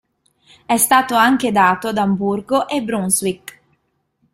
È stato anche dato ad Amburgo e Brunswick.